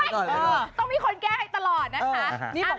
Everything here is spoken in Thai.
ต้องมีคนแก้ให้ตลอดนะคะ